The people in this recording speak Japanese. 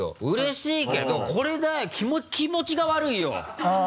うれしいけどこれで気持ちが悪いよ！